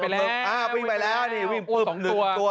วิ่งไปแล้ววิ่งไปแล้วอู้สองตัว